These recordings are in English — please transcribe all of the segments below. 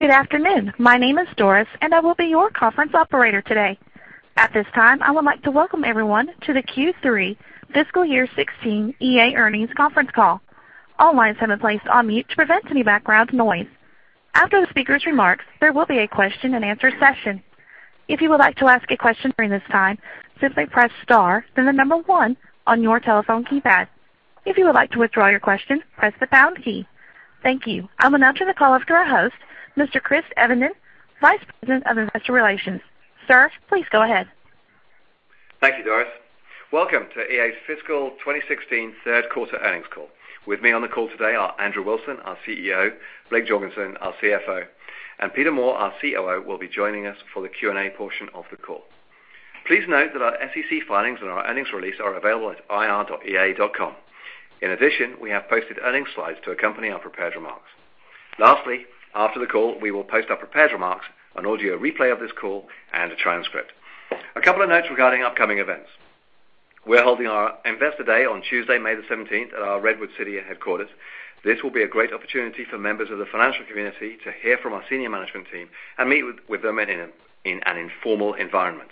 Good afternoon. My name is Doris. I will be your conference operator today. At this time, I would like to welcome everyone to the Q3 Fiscal Year 2016 EA Earnings Conference Call. All lines have been placed on mute to prevent any background noise. After the speaker's remarks, there will be a question-and-answer session. If you would like to ask a question during this time, simply press star, then the number 1 on your telephone keypad. If you would like to withdraw your question, press the pound key. Thank you. I'll now turn the call over to our host, Mr. Chris Evenden, Vice President of Investor Relations. Sir, please go ahead. Thank you, Doris. Welcome to EA's Fiscal 2016 third quarter earnings call. With me on the call today are Andrew Wilson, our CEO, Blake Jorgensen, our CFO, Peter Moore, our COO, will be joining us for the Q&A portion of the call. Please note that our SEC filings and our earnings release are available at ir.ea.com. We have posted earnings slides to accompany our prepared remarks. After the call, we will post our prepared remarks, an audio replay of this call, and a transcript. A couple of notes regarding upcoming events. We're holding our Investor Day on Tuesday, May the 17th, at our Redwood City headquarters. This will be a great opportunity for members of the financial community to hear from our senior management team and meet with them in an informal environment.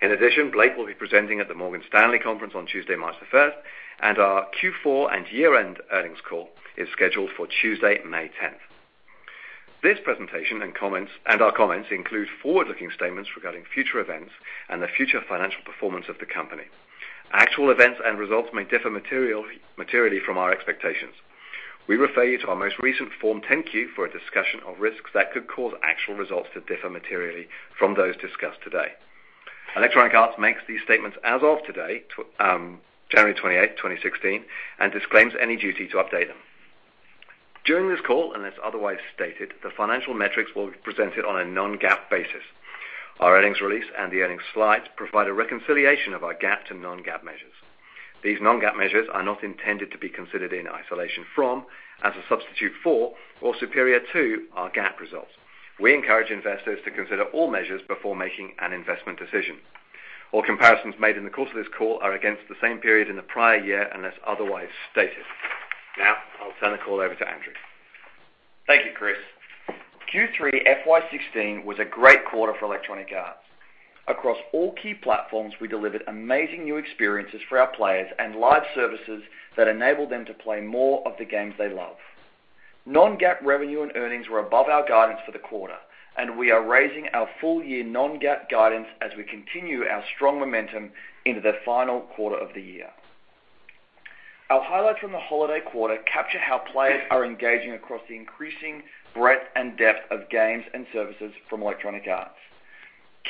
Blake will be presenting at the Morgan Stanley Conference on Tuesday, March the 1st. Our Q4 and year-end earnings call is scheduled for Tuesday, May 10th. This presentation and our comments include forward-looking statements regarding future events and the future financial performance of the company. Actual events and results may differ materially from our expectations. We refer you to our most recent Form 10-Q for a discussion of risks that could cause actual results to differ materially from those discussed today. Electronic Arts makes these statements as of today, January 28th, 2016, disclaims any duty to update them. During this call, unless otherwise stated, the financial metrics will be presented on a non-GAAP basis. Our earnings release and the earnings slides provide a reconciliation of our GAAP to non-GAAP measures. These non-GAAP measures are not intended to be considered in isolation from, as a substitute for, or superior to our GAAP results. We encourage investors to consider all measures before making an investment decision. All comparisons made in the course of this call are against the same period in the prior year, unless otherwise stated. I'll turn the call over to Andrew. Thank you, Chris. Q3 FY 2016 was a great quarter for Electronic Arts. Across all key platforms, we delivered amazing new experiences for our players and live services that enable them to play more of the games they love. Non-GAAP revenue and earnings were above our guidance for the quarter, and we are raising our full-year non-GAAP guidance as we continue our strong momentum into the final quarter of the year. Our highlights from the holiday quarter capture how players are engaging across the increasing breadth and depth of games and services from Electronic Arts.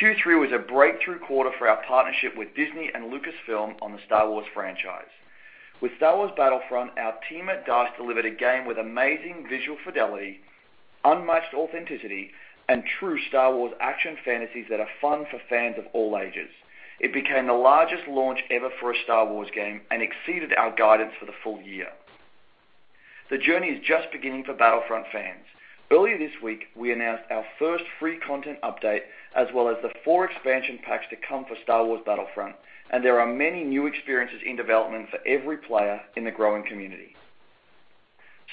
Q3 was a breakthrough quarter for our partnership with Disney and Lucasfilm on the Star Wars franchise. With Star Wars Battlefront, our team at DICE delivered a game with amazing visual fidelity, unmatched authenticity, and true Star Wars action fantasies that are fun for fans of all ages. It became the largest launch ever for a Star Wars game and exceeded our guidance for the full year. The journey is just beginning for Battlefront fans. Earlier this week, we announced our first free content update as well as the four expansion packs to come for Star Wars Battlefront, and there are many new experiences in development for every player in the growing community.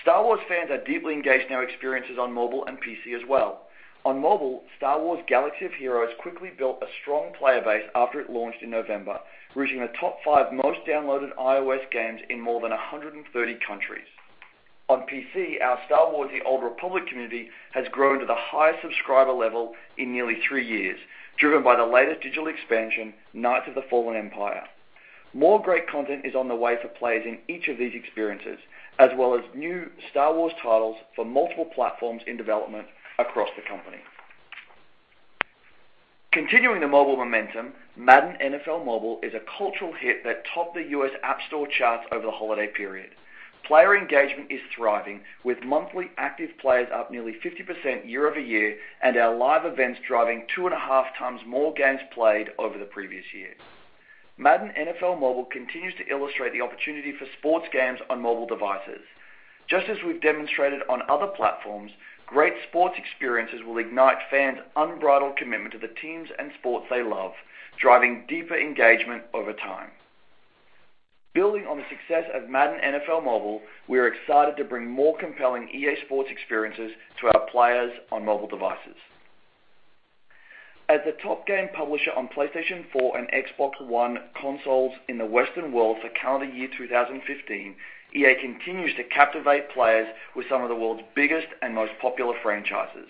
Star Wars fans are deeply engaged in our experiences on mobile and PC as well. On mobile, Star Wars: Galaxy of Heroes quickly built a strong player base after it launched in November, reaching the top five most downloaded iOS games in more than 130 countries. On PC, our Star Wars: The Old Republic community has grown to the highest subscriber level in nearly three years, driven by the latest digital expansion, Knights of the Fallen Empire. More great content is on the way for players in each of these experiences, as well as new Star Wars titles for multiple platforms in development across the company. Continuing the mobile momentum, Madden NFL Mobile is a cultural hit that topped the U.S. App Store charts over the holiday period. Player engagement is thriving, with monthly active players up nearly 50% year-over-year and our live events driving two and a half times more games played over the previous year. Madden NFL Mobile continues to illustrate the opportunity for sports games on mobile devices. Just as we've demonstrated on other platforms, great sports experiences will ignite fans' unbridled commitment to the teams and sports they love, driving deeper engagement over time. Building on the success of Madden NFL Mobile, we are excited to bring more compelling EA Sports experiences to our players on mobile devices. As the top game publisher on PlayStation 4 and Xbox One consoles in the Western world for calendar year 2015, EA continues to captivate players with some of the world's biggest and most popular franchises.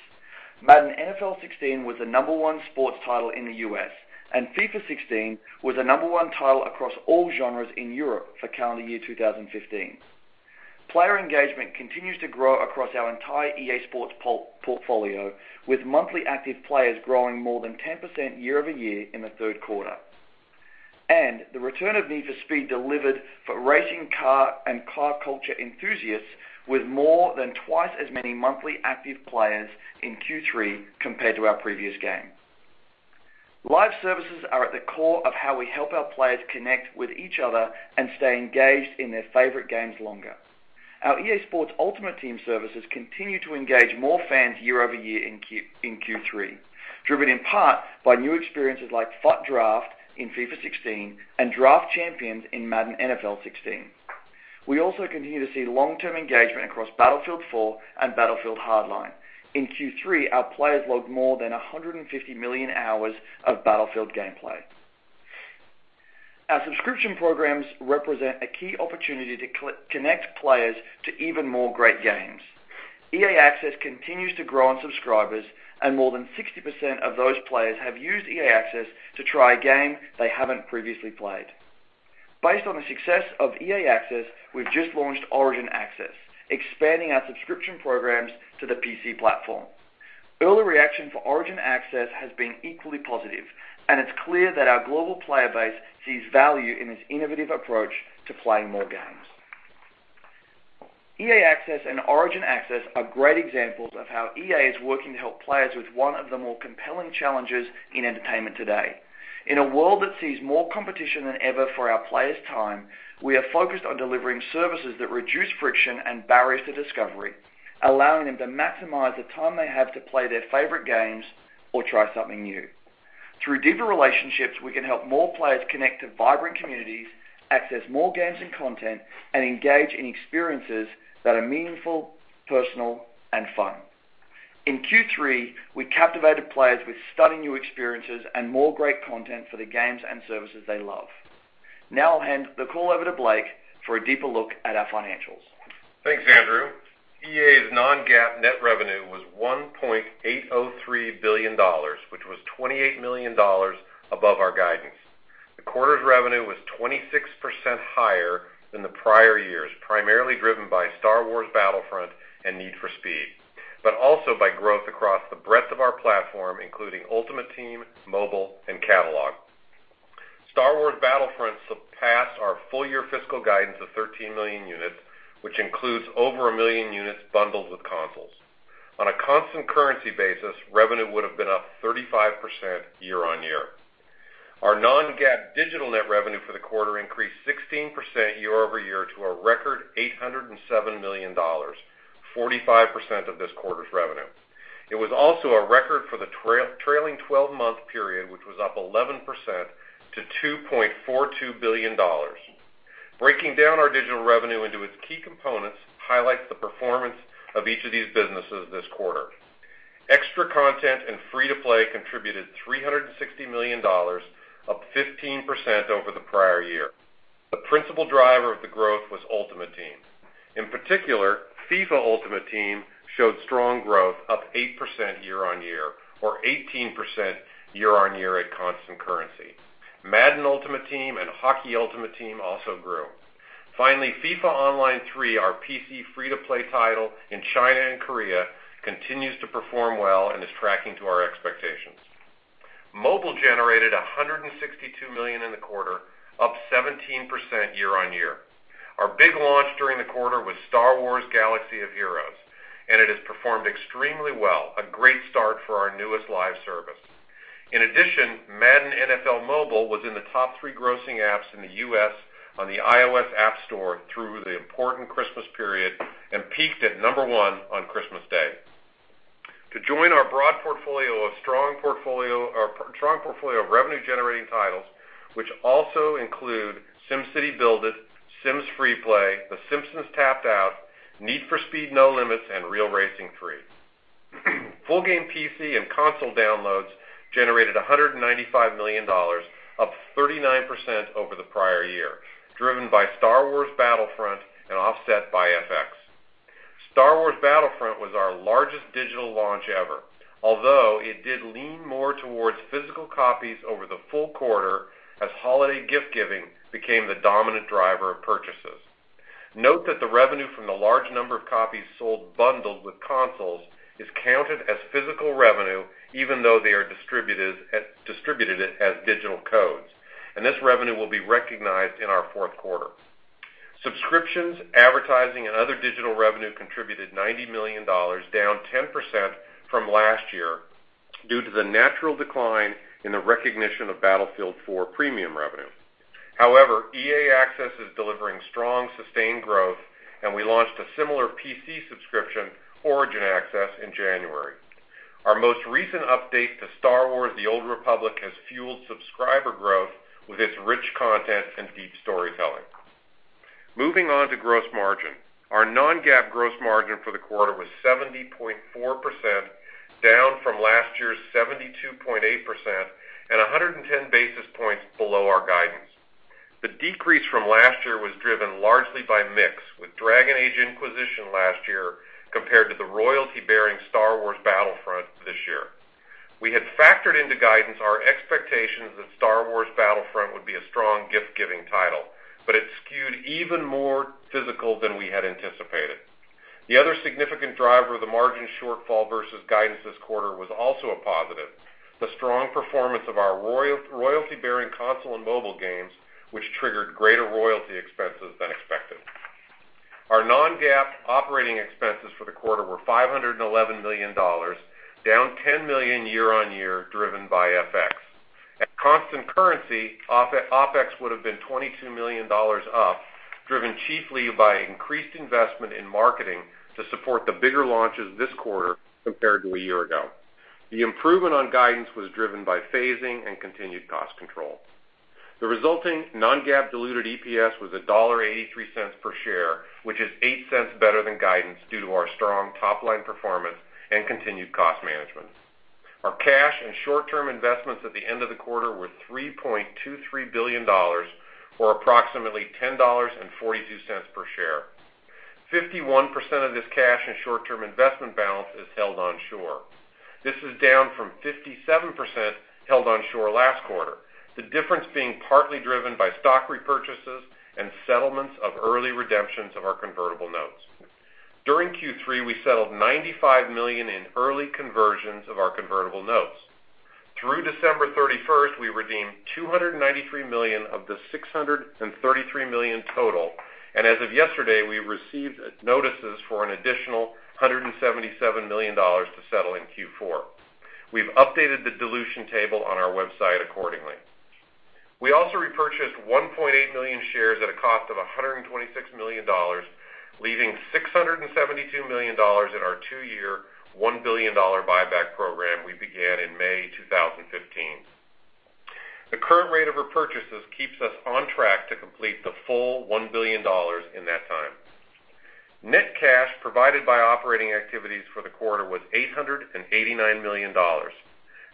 Madden NFL 16 was the number one sports title in the U.S., and FIFA 16 was the number one title across all genres in Europe for calendar year 2015. Player engagement continues to grow across our entire EA Sports portfolio, with monthly active players growing more than 10% year-over-year in the third quarter. The return of Need for Speed delivered for racing car and car culture enthusiasts with more than twice as many monthly active players in Q3 compared to our previous game. Live services are at the core of how we help our players connect with each other and stay engaged in their favorite games longer. Our EA Sports Ultimate Team services continue to engage more fans year-over-year in Q3, driven in part by new experiences like FUT Draft in FIFA 16 and Draft Champions in Madden NFL 16. We also continue to see long-term engagement across Battlefield 4 and Battlefield Hardline. In Q3, our players logged more than 150 million hours of Battlefield gameplay. Our subscription programs represent a key opportunity to connect players to even more great games. EA Access continues to grow on subscribers, and more than 60% of those players have used EA Access to try a game they haven't previously played. Based on the success of EA Access, we've just launched Origin Access, expanding our subscription programs to the PC platform. Early reaction for Origin Access has been equally positive, and it's clear that our global player base sees value in this innovative approach to playing more games. EA Access and Origin Access are great examples of how EA is working to help players with one of the more compelling challenges in entertainment today. In a world that sees more competition than ever for our players' time, we are focused on delivering services that reduce friction and barriers to discovery, allowing them to maximize the time they have to play their favorite games or try something new. Through deeper relationships, we can help more players connect to vibrant communities, access more games and content, and engage in experiences that are meaningful, personal, and fun. In Q3, we captivated players with stunning new experiences and more great content for the games and services they love. I'll hand the call over to Blake for a deeper look at our financials. Thanks, Andrew. EA's non-GAAP net revenue was $1.803 billion, which was $28 million above our guidance. The quarter's revenue was 26% higher than the prior year's, primarily driven by Star Wars Battlefront and Need for Speed, but also by growth across the breadth of our platform, including Ultimate Team, Mobile, and Catalog. Star Wars Battlefront surpassed our full-year fiscal guidance of 13 million units, which includes over a million units bundled with consoles. On a constant currency basis, revenue would have been up 35% year-on-year. Our non-GAAP digital net revenue for the quarter increased 16% year-over-year to a record $807 million, 45% of this quarter's revenue. It was also a record for the trailing 12-month period, which was up 11% to $2.42 billion. Breaking down our digital revenue into its key components highlights the performance of each of these businesses this quarter. Extra content in free-to-play contributed $360 million, up 15% over the prior year. The principal driver of the growth was Ultimate Team. In particular, FIFA Ultimate Team showed strong growth, up 8% year-on-year or 18% year-on-year at constant currency. Madden Ultimate Team and Hockey Ultimate Team also grew. Finally, FIFA Online 3, our PC free-to-play title in China and Korea, continues to perform well and is tracking to our expectations. Mobile generated $162 million in the quarter, up 17% year-on-year. Our big launch during the quarter was Star Wars: Galaxy of Heroes, and it has performed extremely well, a great start for our newest live service. In addition, Madden NFL Mobile was in the top 3 grossing apps in the U.S. on the iOS App Store through the important Christmas period and peaked at number 1 on Christmas Day. To join our broad portfolio, a strong portfolio of revenue-generating titles, which also include SimCity BuildIt, The Sims FreePlay, The Simpsons: Tapped Out, Need for Speed No Limits, and Real Racing 3. Full game PC and console downloads generated $195 million, up 39% over the prior year, driven by Star Wars Battlefront and offset by FX. Star Wars Battlefront was our largest digital launch ever, although it did lean more towards physical copies over the full quarter as holiday gift giving became the dominant driver of purchases. Note that the revenue from the large number of copies sold bundled with consoles is counted as physical revenue, even though they are distributed as digital codes. This revenue will be recognized in our fourth quarter. Subscriptions, advertising, and other digital revenue contributed $90 million, down 10% from last year due to the natural decline in the recognition of Battlefield 4 premium revenue. EA Access is delivering strong, sustained growth, and we launched a similar PC subscription, Origin Access, in January. Our most recent update to Star Wars: The Old Republic has fueled subscriber growth with its rich content and deep storytelling. Moving on to gross margin. Our non-GAAP gross margin for the quarter was 70.4%, down from last year's 72.8% and 110 basis points below our guidance. The decrease from last year was driven largely by mix, with Dragon Age: Inquisition last year compared to the royalty-bearing Star Wars Battlefront this year. We had factored into guidance our expectations that Star Wars Battlefront would be a strong gift-giving title, but it skewed even more physical than we had anticipated. The other significant driver of the margin shortfall versus guidance this quarter was also a positive: the strong performance of our royalty-bearing console and mobile games, which triggered greater royalty expenses than expected. Our non-GAAP operating expenses for the quarter were $511 million, down $10 million year-over-year, driven by FX. At constant currency, OpEx would have been $22 million up, driven chiefly by increased investment in marketing to support the bigger launches this quarter compared to a year ago. The improvement on guidance was driven by phasing and continued cost control. The resulting non-GAAP diluted EPS was $1.83 per share, which is $0.08 better than guidance due to our strong top-line performance and continued cost management. Our cash and short-term investments at the end of the quarter were $3.23 billion, or approximately $10.42 per share. 51% of this cash and short-term investment balance is held onshore. This is down from 57% held onshore last quarter, the difference being partly driven by stock repurchases and settlements of early redemptions of our convertible notes. During Q3, we settled $95 million in early conversions of our convertible notes. Through December 31st, we redeemed $293 million of the $633 million total, and as of yesterday, we received notices for an additional $177 million to settle in Q4. We've updated the dilution table on our website accordingly. We also repurchased 1.8 million shares at a cost of $126 million, leaving $672 million in our two-year, $1 billion buyback program we began in May 2015. The current rate of repurchases keeps us on track to complete the full $1 billion in that time. Net cash provided by operating activities for the quarter was $889 million.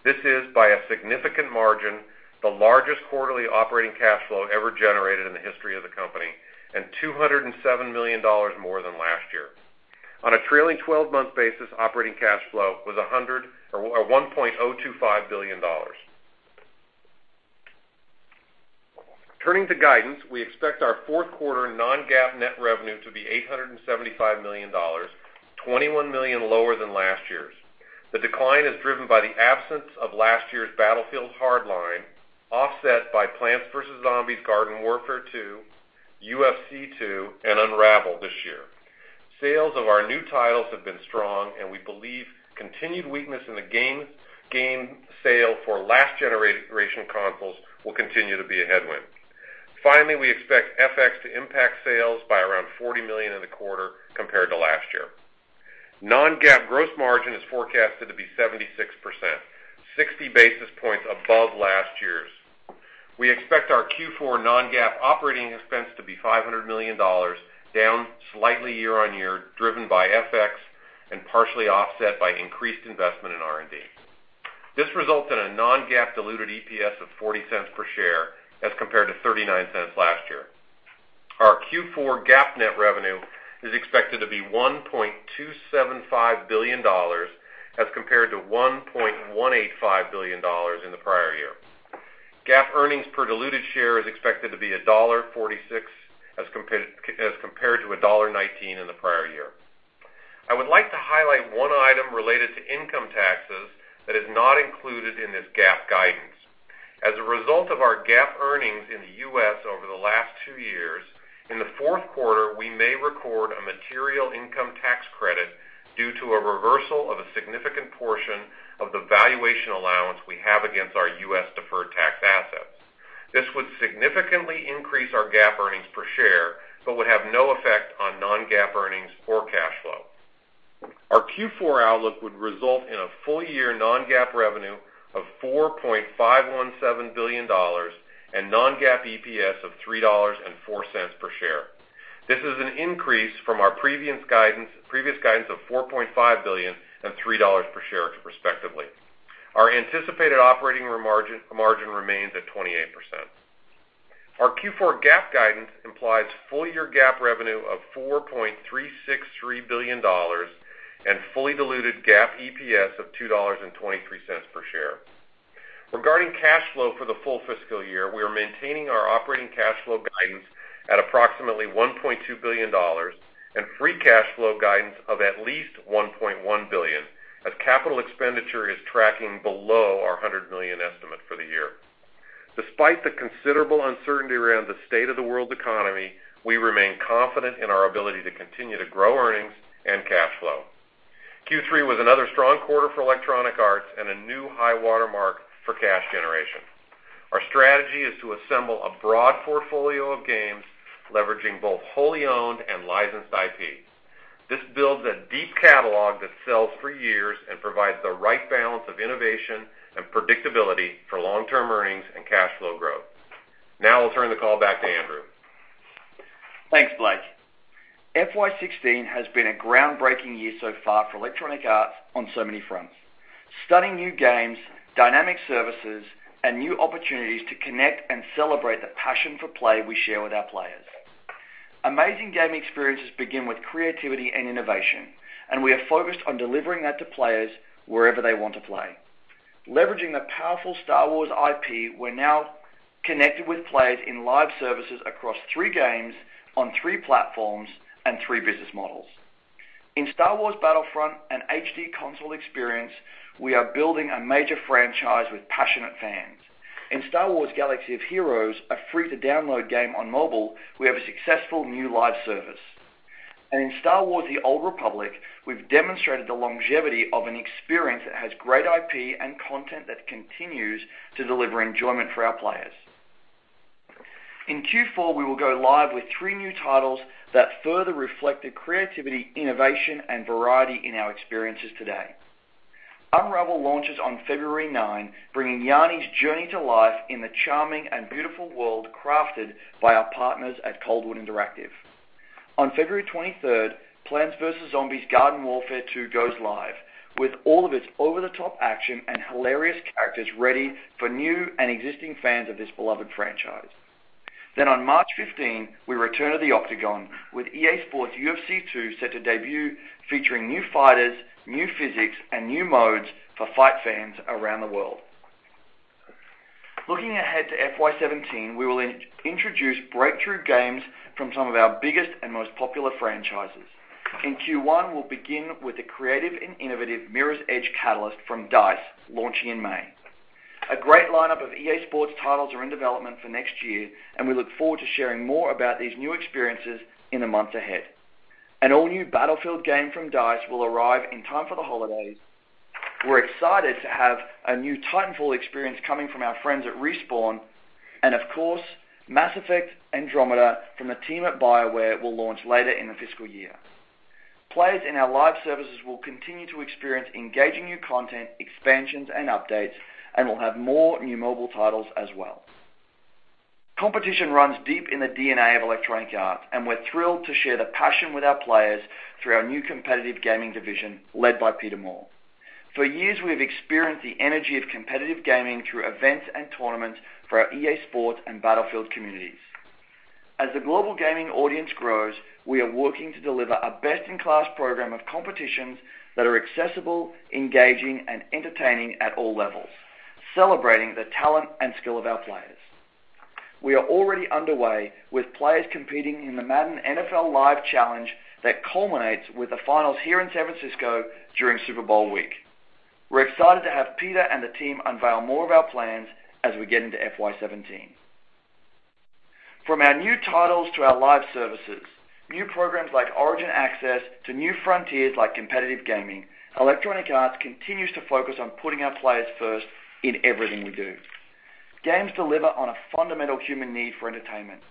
This is, by a significant margin, the largest quarterly operating cash flow ever generated in the history of the company, and $207 million more than last year. On a trailing 12-month basis, operating cash flow was $1.025 billion. Turning to guidance, we expect our fourth quarter non-GAAP net revenue to be $875 million, $21 million lower than last year's. The decline is driven by the absence of last year's Battlefield Hardline, offset by Plants vs. Zombies: Garden Warfare 2, EA Sports UFC 2, and Unravel this year. Sales of our new titles have been strong, and we believe continued weakness in the game sales for last generation consoles will continue to be a headwind. Finally, we expect FX to impact sales by around $40 million in the quarter compared to last year. Non-GAAP gross margin is forecasted to be 76%, 60 basis points above last year's. We expect our Q4 non-GAAP OpEx to be $500 million, down slightly year-over-year, driven by FX and partially offset by increased investment in R&D. This results in a non-GAAP diluted EPS of $0.40 per share as compared to $0.39 last year. Our Q4 GAAP net revenue is expected to be $1.275 billion as compared to $1.185 billion in the prior year. GAAP earnings per diluted share is expected to be $1.46 as compared to $1.19 in the prior year. I would like to highlight one item related to income taxes that is not included in this GAAP guidance. As a result of our GAAP earnings in the U.S. over the last two years, in the fourth quarter, we may record a material income tax credit due to a reversal of a significant portion of the valuation allowance we have against our U.S. deferred tax assets. This would significantly increase our GAAP earnings per share, would have no effect on non-GAAP earnings or cash flow. Our Q4 outlook would result in a full-year non-GAAP revenue of $4.517 billion and non-GAAP EPS of $3.04 per share. This is an increase from our previous guidance of $4.5 billion and $3 per share respectively. Our anticipated operating margin remains at 28%. Our Q4 GAAP guidance implies full-year GAAP revenue of $4.363 billion and fully diluted GAAP EPS of $2.23 per share. Regarding cash flow for the full fiscal year, we are maintaining our operating cash flow guidance at approximately $1.2 billion and free cash flow guidance of at least $1.1 billion, as capital expenditure is tracking below our $100 million estimate for the year. Despite the considerable uncertainty around the state of the world economy, we remain confident in our ability to continue to grow earnings and cash flow. Q3 was another strong quarter for Electronic Arts and a new high water mark for cash generation. Our strategy is to assemble a broad portfolio of games, leveraging both wholly owned and licensed IPs. This builds a deep catalog that sells for years and provides the right balance of innovation and predictability for long-term earnings and cash flow growth. I'll turn the call back to Andrew. Thanks, Blake. FY 2016 has been a groundbreaking year so far for Electronic Arts on so many fronts. Stunning new games, dynamic services, and new opportunities to connect and celebrate the passion for play we share with our players. Amazing gaming experiences begin with creativity and innovation, and we are focused on delivering that to players wherever they want to play. Leveraging the powerful Star Wars IP, we're now connected with players in live services across three games on three platforms and three business models. In Star Wars Battlefront, an HD console experience, we are building a major franchise with passionate fans. In Star Wars: Galaxy of Heroes, a free-to-download game on mobile, we have a successful new live service. In Star Wars: The Old Republic, we've demonstrated the longevity of an experience that has great IP and content that continues to deliver enjoyment for our players. In Q4, we will go live with three new titles that further reflect the creativity, innovation, and variety in our experiences today. Unravel launches on February 9, bringing Yarny's journey to life in the charming and beautiful world crafted by our partners at Coldwood Interactive. On February 23rd, Plants vs. Zombies: Garden Warfare 2 goes live with all of its over-the-top action and hilarious characters ready for new and existing fans of this beloved franchise. On March 15, we return to the Octagon with EA Sports UFC 2 set to debut featuring new fighters, new physics, and new modes for fight fans around the world. Looking ahead to FY 2017, we will introduce breakthrough games from some of our biggest and most popular franchises. In Q1, we'll begin with the creative and innovative Mirror's Edge Catalyst from DICE, launching in May. A great lineup of EA Sports titles are in development for next year, we look forward to sharing more about these new experiences in the months ahead. An all-new Battlefield game from DICE will arrive in time for the holidays. We're excited to have a new Titanfall experience coming from our friends at Respawn, of course, Mass Effect: Andromeda from the team at BioWare will launch later in the fiscal year. Players in our live services will continue to experience engaging new content, expansions, and updates, we'll have more new mobile titles as well. Competition runs deep in the DNA of Electronic Arts, we're thrilled to share the passion with our players through our new competitive gaming division led by Peter Moore. For years, we have experienced the energy of competitive gaming through events and tournaments for our EA Sports and Battlefield communities. As the global gaming audience grows, we are working to deliver a best-in-class program of competitions that are accessible, engaging, and entertaining at all levels, celebrating the talent and skill of our players. We are already underway with players competing in the Madden NFL Live Challenge that culminates with the finals here in San Francisco during Super Bowl week. We're excited to have Peter and the team unveil more of our plans as we get into FY 2017. From our new titles to our live services, new programs like Origin Access to new frontiers like competitive gaming, Electronic Arts continues to focus on putting our players first in everything we do. Games deliver on a fundamental human need for entertainment.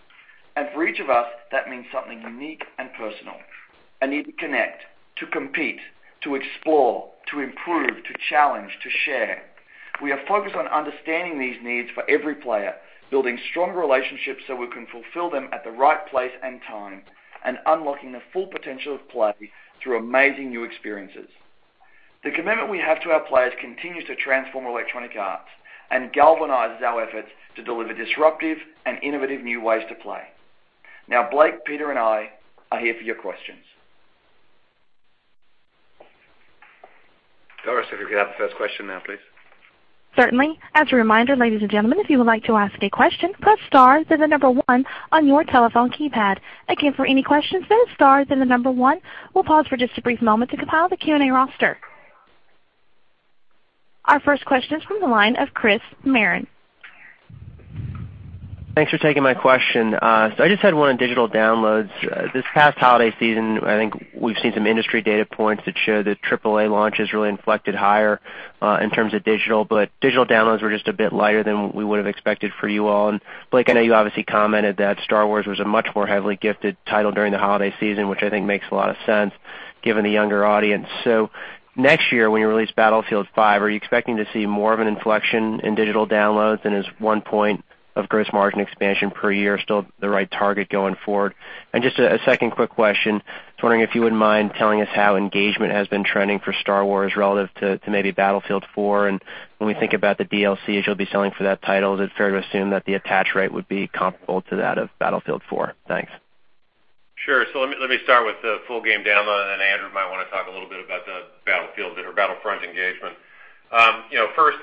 For each of us, that means something unique and personal, a need to connect, to compete, to explore, to improve, to challenge, to share. We are focused on understanding these needs for every player, building strong relationships so we can fulfill them at the right place and time, and unlocking the full potential of play through amazing new experiences. The commitment we have to our players continues to transform Electronic Arts and galvanizes our efforts to deliver disruptive and innovative new ways to play. Blake, Peter, and I are here for your questions. Doris, if we could have the first question now, please. Certainly. As a reminder, ladies and gentlemen, if you would like to ask a question, press star, then the number one on your telephone keypad. Again, for any questions, press star, then the number one. We'll pause for just a brief moment to compile the Q&A roster. Our first question is from the line of Christopher Merwin. Thanks for taking my question. I just had one on digital downloads. This past holiday season, I think we've seen some industry data points that show that AAA launches really inflected higher in terms of digital, but digital downloads were just a bit lighter than we would've expected for you all. Blake, I know you obviously commented that Star Wars was a much more heavily gifted title during the holiday season, which I think makes a lot of sense given the younger audience. Next year, when you release Battlefield 5, are you expecting to see more of an inflection in digital downloads and is one point of gross margin expansion per year still the right target going forward? Just a second quick question. Just wondering if you wouldn't mind telling us how engagement has been trending for Star Wars relative to maybe Battlefield 4, and when we think about the DLC as you'll be selling for that title, is it fair to assume that the attach rate would be comparable to that of Battlefield 4? Thanks. Sure. Let me start with the full game download. Andrew might want to talk a little bit about the Battlefield or Battlefront engagement. First,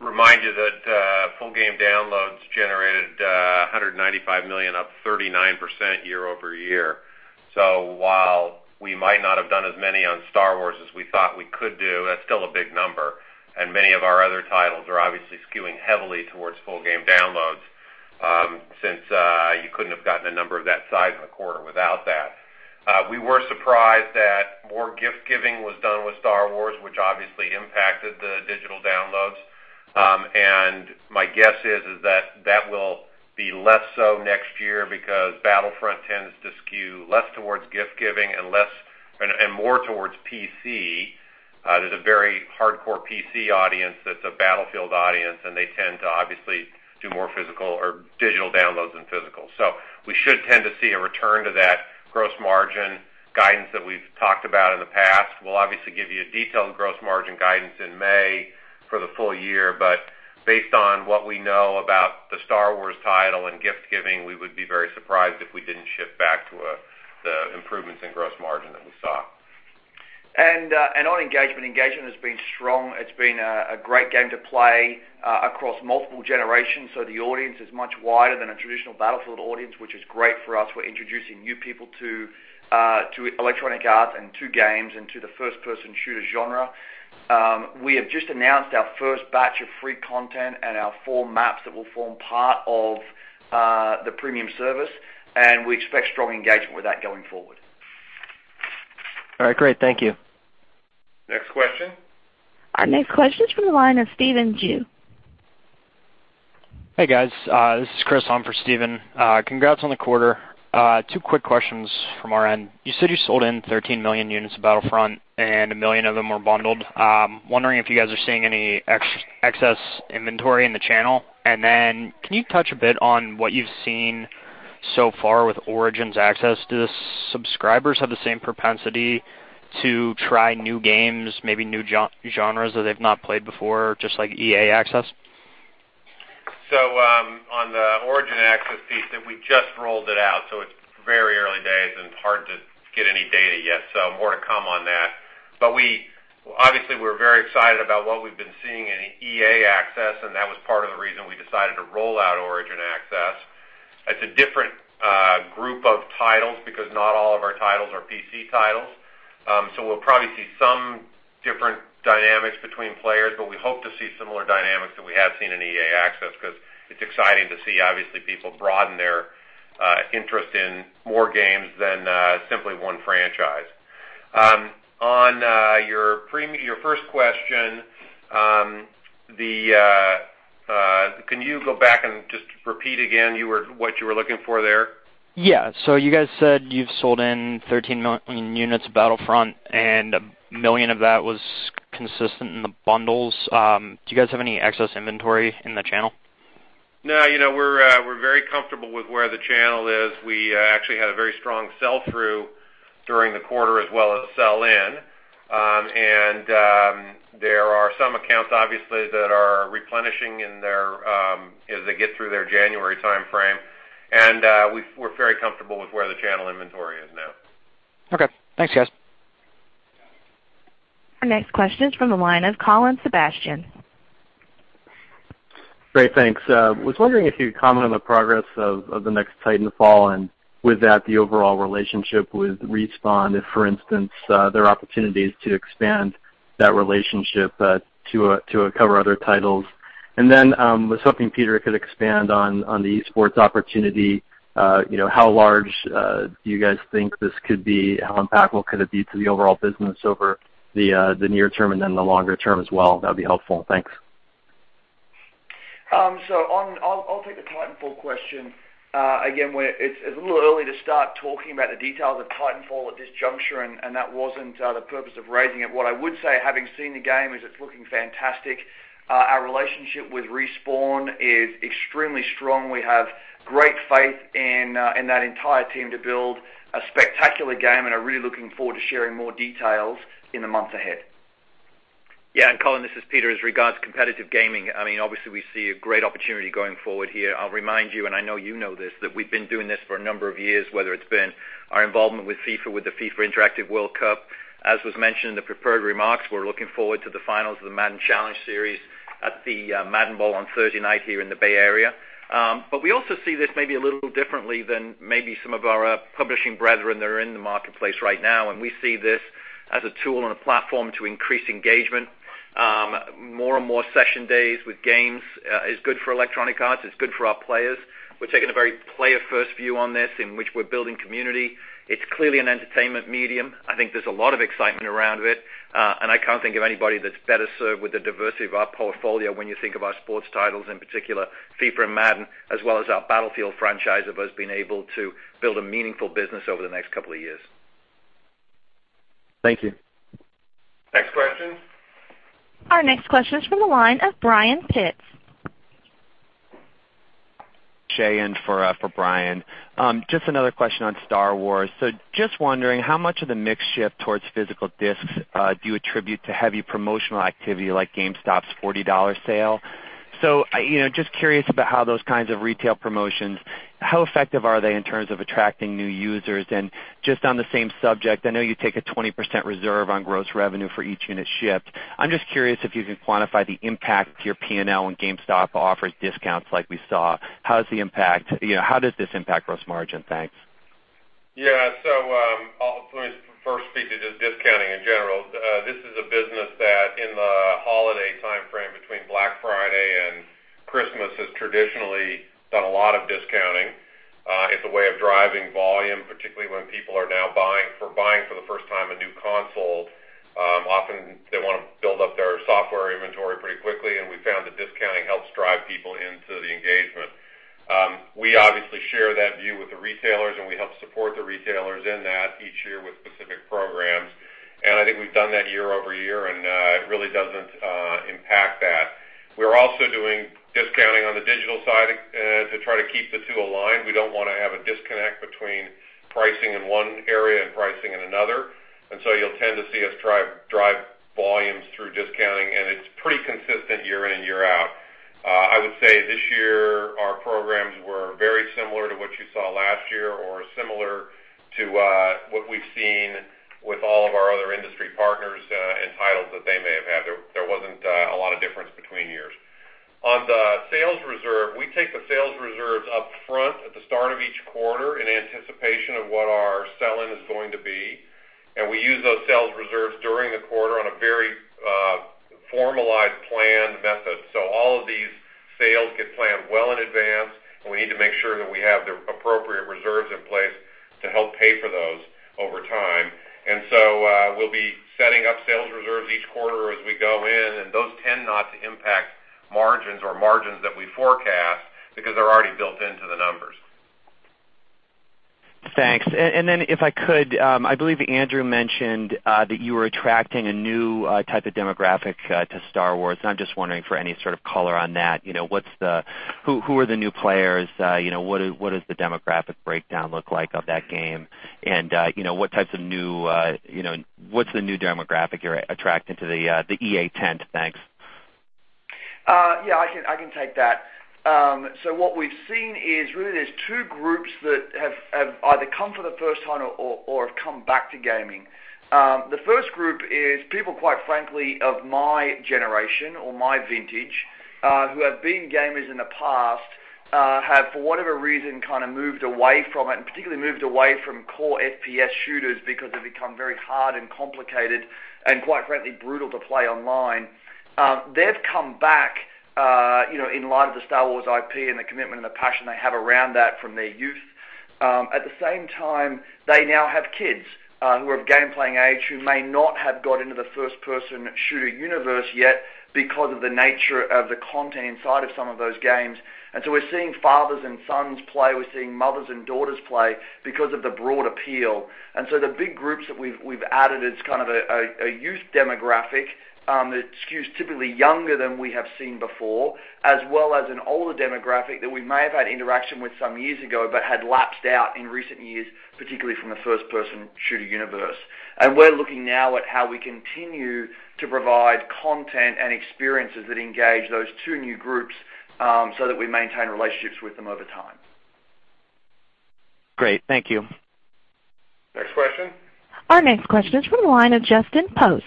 remind you that full game downloads generated $195 million, up 39% year-over-year. While we might not have done as many on Star Wars as we thought we could do, that's still a big number. Many of our other titles are obviously skewing heavily towards full game downloads, since you couldn't have gotten a number of that size in the quarter without that. We were surprised that more gift giving was done with Star Wars, which obviously impacted the digital downloads. My guess is that that will be less so next year because Battlefront tends to skew less towards gift giving and more towards PC. There's a very hardcore PC audience that's a Battlefield audience. They tend to obviously do more digital downloads than physical. We should tend to see a return to that gross margin guidance that we've talked about in the past. We'll obviously give you a detailed gross margin guidance in May for the full year. Based on what we know about the Star Wars title and gift giving, we would be very surprised if we didn't ship back to the improvements in gross margin that we saw. On engagement has been strong. It's been a great game to play across multiple generations. The audience is much wider than a traditional Battlefield audience, which is great for us. We're introducing new people to Electronic Arts and to games and to the first-person shooter genre. We have just announced our first batch of free content and our four maps that will form part of the premium service. We expect strong engagement with that going forward. All right, great. Thank you. Next question. Our next question is from the line of Stephen Ju. Hey, guys. This is Chris on for Stephen. Congrats on the quarter. Two quick questions from our end. You said you sold in 13 million units of Battlefront and 1 million of them were bundled. I'm wondering if you guys are seeing any excess inventory in the channel. Can you touch a bit on what you've seen so far with Origin Access? Do the subscribers have the same propensity to try new games, maybe new genres that they've not played before, just like EA Access? On the Origin Access piece, we just rolled it out, it's very early days and hard to get any data yet. More to come on that. Obviously, we're very excited about what we've been seeing in EA Access, and that was part of the reason we decided to roll out Origin Access. It's a different group of titles because not all of our titles are PC titles. We'll probably see some different dynamics between players, but we hope to see similar dynamics that we have seen in EA Access because it's exciting to see, obviously, people broaden their interest in more games than simply one franchise. On your first question can you go back and just repeat again what you were looking for there? Yeah. You guys said you've sold in 13 million units of Battlefront, and 1 million of that was consistent in the bundles. Do you guys have any excess inventory in the channel? No, we're very comfortable with where the channel is. We actually had a very strong sell-through during the quarter as well as sell-in. There are some accounts, obviously, that are replenishing as they get through their January timeframe. We're very comfortable with where the channel inventory is now. Okay. Thanks, guys. Our next question is from the line of Colin Sebastian. Great, thanks. I was wondering if you'd comment on the progress of the next Titanfall and with that, the overall relationship with Respawn, if for instance, there are opportunities to expand that relationship to cover other titles. Then I was hoping Peter could expand on the esports opportunity. How large do you guys think this could be? How impactful could it be to the overall business over the near term and then the longer term as well? That'd be helpful. Thanks. I'll take the Titanfall question. Again, it's a little early to start talking about the details of Titanfall at this juncture, and that wasn't the purpose of raising it. What I would say, having seen the game, is it's looking fantastic. Our relationship with Respawn is extremely strong. We have great faith in that entire team to build a spectacular game and are really looking forward to sharing more details in the months ahead. Yeah. Colin, this is Peter. As regards to competitive gaming, obviously we see a great opportunity going forward here. I'll remind you, and I know you know this, that we've been doing this for a number of years, whether it's been our involvement with FIFA, with the FIFA Interactive World Cup. As was mentioned in the prepared remarks, we're looking forward to the finals of the Madden Challenge series at the Madden Bowl on Thursday night here in the Bay Area. We also see this maybe a little differently than maybe some of our publishing brethren that are in the marketplace right now, and we see this as a tool and a platform to increase engagement. More and more session days with games is good for Electronic Arts, it's good for our players. We're taking a very player-first view on this, in which we're building community. It's clearly an entertainment medium. I think there's a lot of excitement around it. I can't think of anybody that's better served with the diversity of our portfolio when you think of our sports titles, in particular, FIFA and Madden, as well as our Battlefield franchise, have us being able to build a meaningful business over the next couple of years. Thank you. Next question. Our next question is from the line of Brian Pitz. Shea in for Brian. Just another question on Star Wars. Just wondering, how much of the mix shift towards physical discs do you attribute to heavy promotional activity like GameStop's $40 sale? Just curious about how those kinds of retail promotions, how effective are they in terms of attracting new users? Just on the same subject, I'm just curious if you can quantify the impact to your P&L when GameStop offers discounts like we saw. How does this impact gross margin? Thanks. Yeah. Let me first speak to just discounting in general. This is a business that in the holiday timeframe between Black Friday and Christmas, has traditionally done a lot of discounting. It's a way of driving volume, particularly when people are now buying for the first time, a new console. Often they want to build up their software inventory pretty quickly, we found that discounting helps drive people into the engagement. We obviously share that view with the retailers, we help support the retailers in that each year with specific programs. I think we've done that year-over-year, and it really doesn't impact that. We're also doing discounting on the digital side to try to keep the two aligned. We don't want to have a disconnect between pricing in one area and pricing in another. You'll tend to see us drive volumes through discounting, and it's pretty consistent year in, year out. I would say this year, our programs were very similar to what you saw last year or similar to what we've seen with all of our other industry partners in titles that they may have had. There wasn't a lot of difference between years. On the sales reserve, we take the sales reserves up front at the start of each quarter in anticipation of what our sell-in is going to be. We use those sales reserves during the quarter on a very formalized planned method. Advance. We need to make sure that we have the appropriate reserves in place to help pay for those over time. We'll be setting up sales reserves each quarter as we go in. Those tend not to impact margins or margins that we forecast because they're already built into the numbers. Thanks. Then if I could, I believe Andrew mentioned that you were attracting a new type of demographic to Star Wars. I'm just wondering for any sort of color on that. Who are the new players? What does the demographic breakdown look like of that game? What's the new demographic you're attracting to the EA tent? Thanks. Yeah, I can take that. What we've seen is really there's two groups that have either come for the first time or have come back to gaming. The first group is people, quite frankly, of my generation or my vintage, who have been gamers in the past, have for whatever reason, kind of moved away from it, particularly moved away from core FPS shooters because they've become very hard and complicated, quite frankly, brutal to play online. They've come back in light of the Star Wars IP and the commitment and the passion they have around that from their youth. At the same time, they now have kids who are of game-playing age, who may not have got into the first-person shooter universe yet because of the nature of the content inside of some of those games. We're seeing fathers and sons play, we're seeing mothers and daughters play because of the broad appeal. The big groups that we've added, it's kind of a youth demographic that skews typically younger than we have seen before, as well as an older demographic that we may have had interaction with some years ago but had lapsed out in recent years, particularly from the first-person shooter universe. We're looking now at how we continue to provide content and experiences that engage those two new groups, so that we maintain relationships with them over time. Great. Thank you. Next question. Our next question is from the line of Justin Post.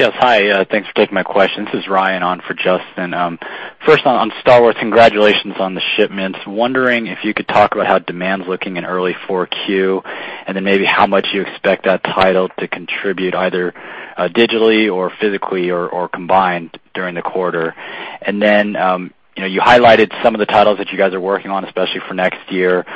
Yes. Hi, thanks for taking my question. This is Ryan on for Justin. First on Star Wars, congratulations on the shipments. Maybe how much you expect that title to contribute either digitally or physically or combined during the quarter. You highlighted some of the titles that you guys are working on, especially for next year.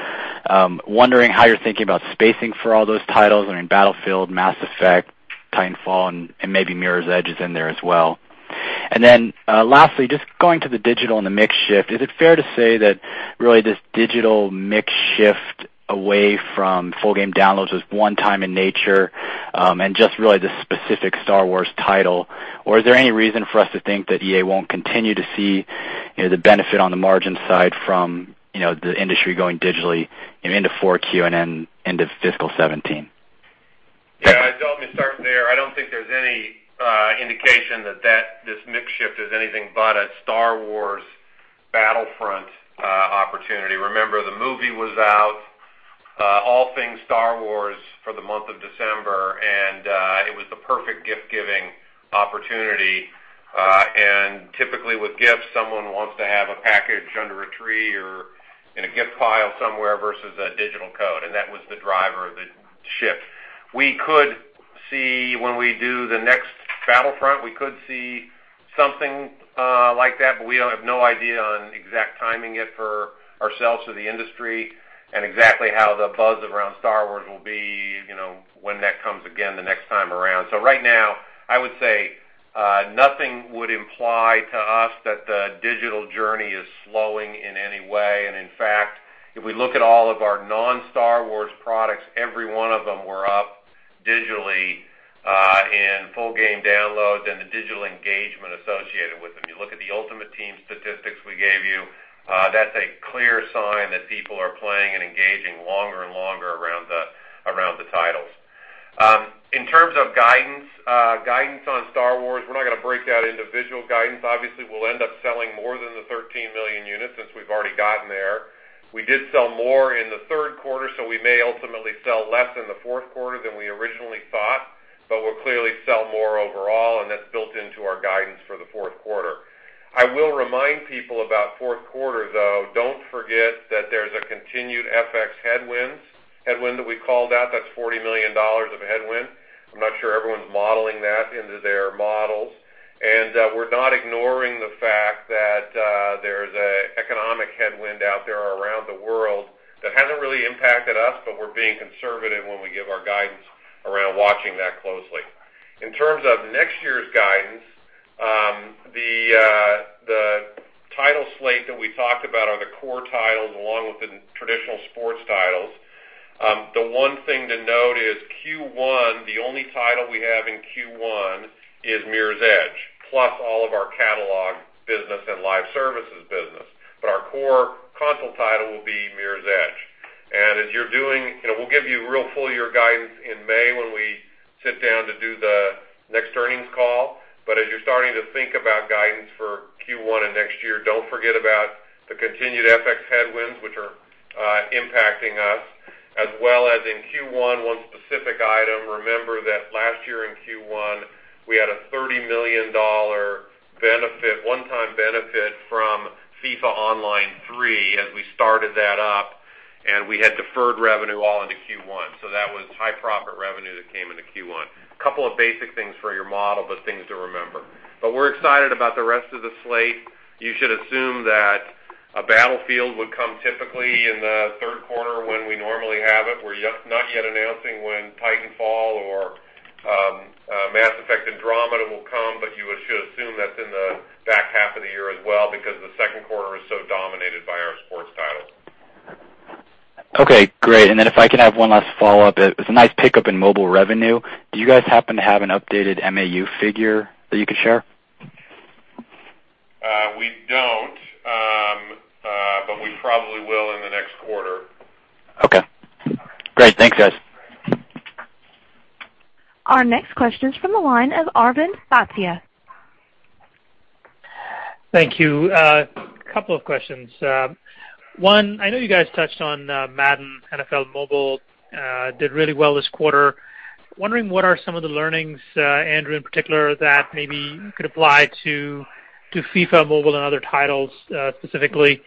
Wondering how you're thinking about spacing for all those titles. I mean, Battlefield, Mass Effect, Titanfall, and maybe Mirror's Edge is in there as well. Lastly, just going to the digital and the mix shift, is it fair to say that really this digital mix shift away from full game downloads was one-time in nature and just really the specific Star Wars title? Is there any reason for us to think that EA won't continue to see the benefit on the margin side from the industry going digitally into 4Q and then into fiscal 2017? Yeah. Let me start there. I don't think there's any indication that this mix shift is anything but a Star Wars Battlefront opportunity. Remember, the movie was out, all things Star Wars for the month of December, and it was the perfect gift-giving opportunity. Typically with gifts, someone wants to have a package under a tree or in a gift pile somewhere versus a digital code, and that was the driver of the shift. When we do the next Battlefront, we could see something like that, but we have no idea on exact timing yet for ourselves or the industry and exactly how the buzz around Star Wars will be when that comes again the next time around. Right now, I would say nothing would imply to us that the digital journey is slowing in any way. In fact, if we look at all of our non-Star Wars products, every one of them were up digitally in full game downloads and the digital engagement associated with them. You look at the Ultimate Team statistics we gave you, that's a clear sign that people are playing and engaging longer and longer around the titles. In terms of guidance on Star Wars, we're not going to break out individual guidance. Obviously, we'll end up selling more than the 13 million units since we've already gotten there. We did sell more in the third quarter, so we may ultimately sell less in the fourth quarter than we originally thought, but we'll clearly sell more overall, and that's built into our guidance for the fourth quarter. I will remind people about fourth quarter, though. Don't forget that there's a continued FX headwind that we called out. That's $40 million of headwind. I'm not sure everyone's modeling that into their models. We're not ignoring the fact that there's an economic headwind out there around the world that hasn't really impacted us, but we're being conservative when we give our guidance around watching that closely. In terms of next year's guidance, the title slate that we talked about are the core titles along with the traditional sports titles. The one thing to note is Q1, the only title we have in Q1 is Mirror's Edge, plus all of our catalog business and live services business. Our core console title will be Mirror's Edge. We'll give you real full-year guidance in May when we sit down to do the next earnings call. As you're starting to think about guidance for Q1 and next year, don't forget about the continued FX headwinds, which are impacting us, as well as in Q1, one specific item. Remember that last year in Q1, we had a $30 million one-time benefit from FIFA Online 3 as we started that up. We had deferred revenue all into Q1. That was high profit revenue that came into Q1. Couple of basic things for your model, but things to remember. We're excited about the rest of the slate. You should assume that a Battlefield would come typically in the third quarter when we normally have it. We're not yet announcing when Titanfall or Mass Effect: Andromeda will come, but you should assume that's in the back half of the year as well because the second quarter is so dominated by our sports titles. Okay, great. If I can have one last follow-up. It's a nice pickup in mobile revenue. Do you guys happen to have an updated MAU figure that you could share? We don't. We probably will in the next quarter. Okay. Great. Thanks, guys. Our next question is from the line of Arvind Bhatia. Thank you. Couple of questions. One, I know you guys touched on Madden NFL Mobile did really well this quarter. Wondering what are some of the learnings, Andrew, in particular, that maybe could apply to FIFA Mobile and other titles specifically.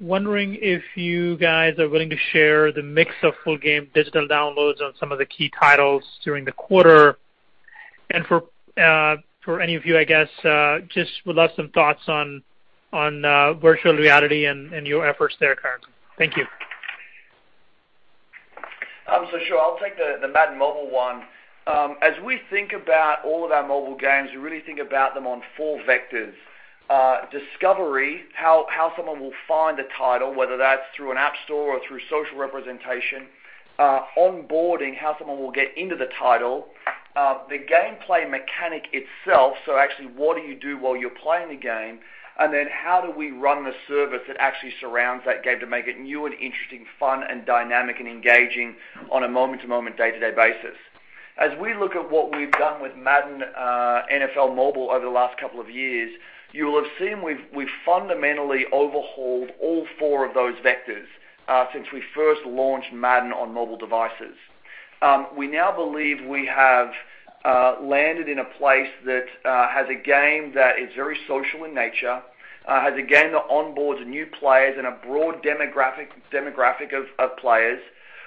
Wondering if you guys are willing to share the mix of full game digital downloads on some of the key titles during the quarter. For any of you, I guess, just would love some thoughts on virtual reality and your efforts there currently. Thank you. Sure. I'll take the Madden Mobile one. As we think about all of our mobile games, we really think about them on four vectors. Discovery, how someone will find a title, whether that's through an App Store or through social representation. Onboarding, how someone will get into the title. The gameplay mechanic itself, so actually, what do you do while you're playing the game. How do we run the service that actually surrounds that game to make it new and interesting, fun, and dynamic, and engaging on a moment-to-moment, day-to-day basis. As we look at what we've done with Madden NFL Mobile over the last couple of years, you will have seen we've fundamentally overhauled all four of those vectors since we first launched Madden on mobile devices. We now believe we have landed in a place that has a game that is very social in nature, has a game that onboards new players and a broad demographic of players.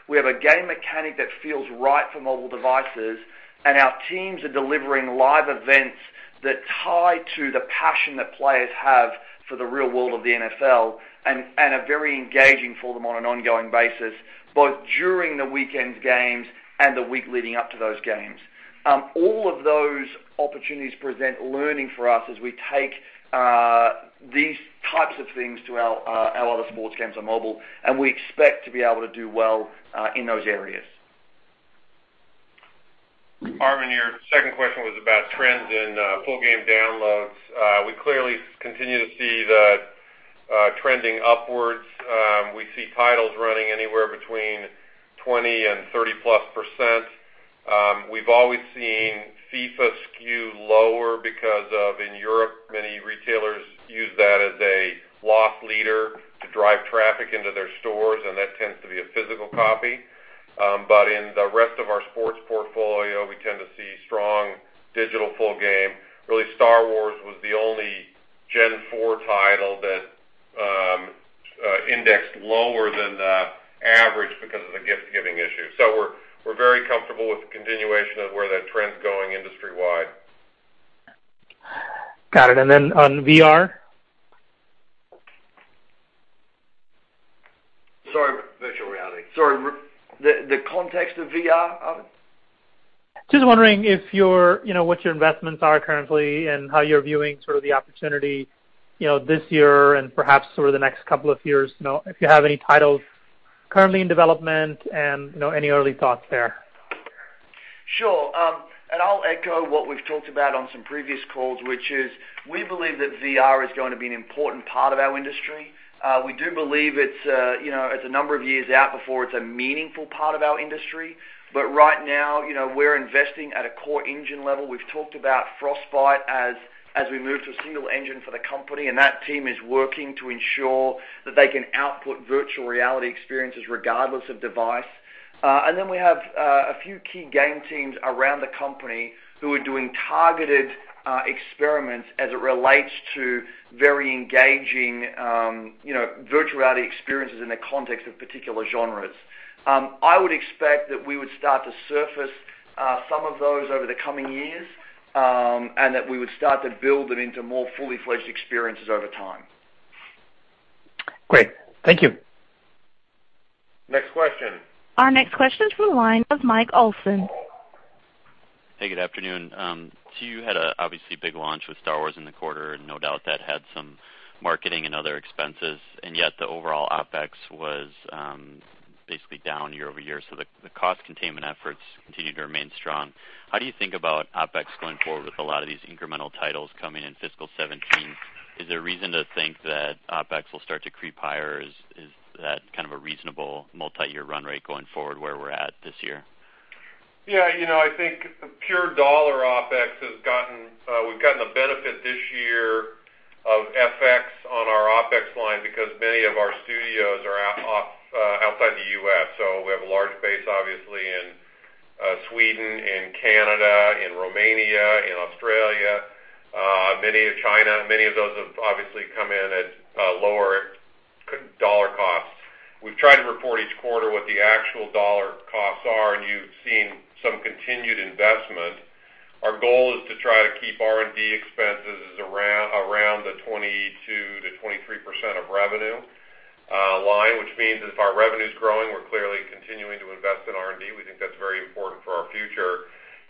We have a game mechanic that feels right for mobile devices. Our teams are delivering live events that tie to the passion that players have for the real world of the NFL and are very engaging for them on an ongoing basis, both during the weekend's games and the week leading up to those games. All of those opportunities present learning for us as we take these types of things to our other sports games on mobile. We expect to be able to do well in those areas. Arvind, your second question was about trends in full game downloads. We clearly continue to see that trending upwards. We see titles running anywhere between 20% and 30-plus %. We've always seen FIFA skew lower because of in Europe, many retailers use that as a loss leader to drive traffic into their stores, and that tends to be a physical copy. In the rest of our sports portfolio, we tend to see strong digital full game. Really, Star Wars was the only Gen 4 title that indexed lower than the average because of the gift-giving issue. We're very comfortable with the continuation of where that trend's going industry-wide. Got it. Then on VR? Sorry, virtual reality. Sorry. The context of VR, Arvind? Just wondering what your investments are currently and how you're viewing sort of the opportunity this year and perhaps sort of the next couple of years. If you have any titles currently in development and any early thoughts there. Sure. I'll echo what we've talked about on some previous calls, which is we believe that VR is going to be an important part of our industry. We do believe it's a number of years out before it's a meaningful part of our industry. Right now, we're investing at a core engine level. We've talked about Frostbite as we move to a single engine for the company, and that team is working to ensure that they can output virtual reality experiences regardless of device. Then we have a few key game teams around the company who are doing targeted experiments as it relates to very engaging virtual reality experiences in the context of particular genres. I would expect that we would start to surface some of those over the coming years, and that we would start to build them into more fully-fledged experiences over time. Great. Thank you. Next question. Our next question is from the line of Michael Olson. Hey, good afternoon. You had a obviously big launch with Star Wars in the quarter, and no doubt that had some marketing and other expenses. Yet, the overall OpEx was basically down year-over-year. The cost containment efforts continue to remain strong. How do you think about OpEx going forward with a lot of these incremental titles coming in fiscal 2017? Is there a reason to think that OpEx will start to creep higher, or is that kind of a reasonable multi-year run rate going forward where we're at this year? Yeah. I think pure U.S. dollar OpEx, we've gotten the benefit this year of FX on our OpEx line because many of our studios are outside the U.S. We have a large base, obviously, in Sweden, in Canada, in Romania, in Australia. Many of those have obviously come in at lower U.S. dollar costs. We've tried to report each quarter what the actual U.S. dollar costs are, and you've seen some continued investment. Our goal is to try to keep R&D expenses around the 22%-23% of revenue line, which means if our revenue's growing, we're clearly continuing to invest in R&D. We think that's very important for our future.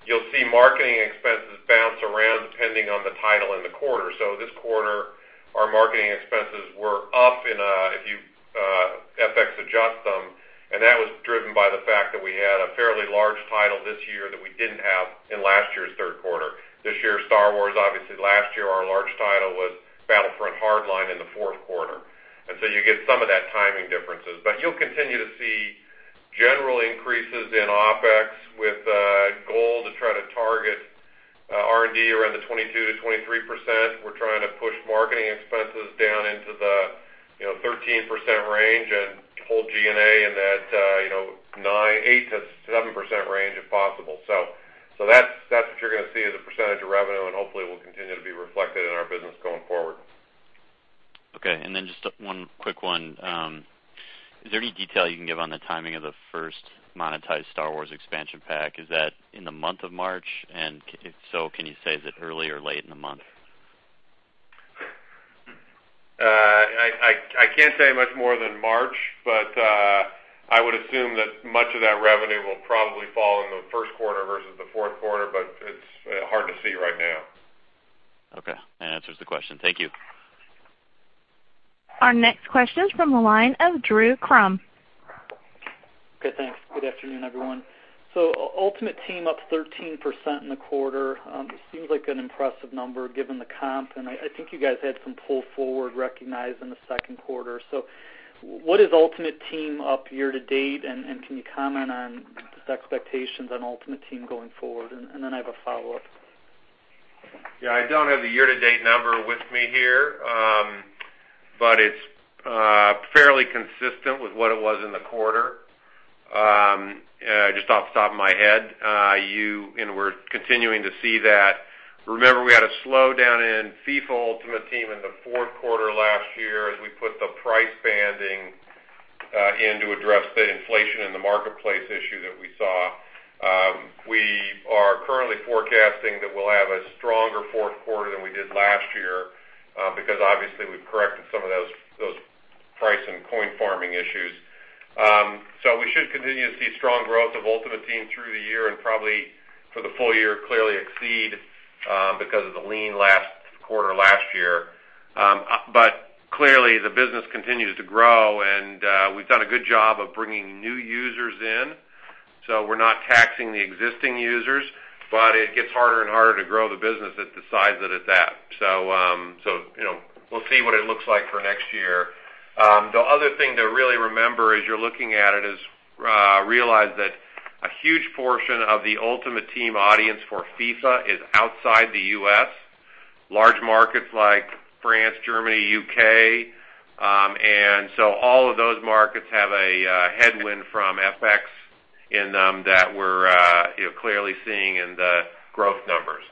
You'll see marketing expenses bounce around depending on the title and the quarter. This quarter, our marketing expenses were up if you FX adjust them, and that was driven by the fact that we had a fairly large title this year that we didn't have in last year's third quarter. This year, Star Wars, obviously. Last year, our large title was Battlefield Hardline in the fourth quarter. You get some of that timing differences. You'll continue to see general increases in OpEx with a goal to try to target R&D around the 22%-23%. We're trying to push marketing expenses down into the 13% range and hold G&A in that 8%-7% range if possible. That's what you're going to see as a percentage of revenue, and hopefully will continue to be reflected in our business going forward. Just one quick one. Is there any detail you can give on the timing of the first monetized Star Wars expansion pack? Is that in the month of March? If so, can you say, is it early or late in the month? I can't say much more than March, I would assume that much of that revenue will probably fall in the first quarter versus the fourth quarter. It's hard to see right now. Okay. That answers the question. Thank you. Our next question is from the line of Drew Crum. Okay, thanks. Good afternoon, everyone. Ultimate Team up 13% in the quarter. It seems like an impressive number given the comp, and I think you guys had some pull forward recognized in the second quarter. What is Ultimate Team up year-to-date, and can you comment on just expectations on Ultimate Team going forward? I have a follow-up. Yeah, I don't have the year-to-date number with me here. It's fairly consistent with what it was in the quarter. Just off the top of my head, we're continuing to see that. Remember, we had a slowdown in FIFA Ultimate Team in the fourth quarter last year as we put the price banding in to address the inflation in the marketplace issue that we saw. We are currently forecasting that we'll have a stronger fourth quarter than we did last year because obviously we've corrected some of those price and coin farming issues. We should continue to see strong growth of Ultimate Team through the year and probably for the full year, clearly exceed because of the lean last quarter last year. Clearly the business continues to grow and we've done a good job of bringing new users in. We're not taxing the existing users, it gets harder and harder to grow the business at the size that it's at. We'll see what it looks like for next year. The other thing to really remember as you're looking at it is realize that a huge portion of the Ultimate Team audience for FIFA is outside the U.S. Large markets like France, Germany, U.K. All of those markets have a headwind from FX in them that we're clearly seeing in the growth numbers.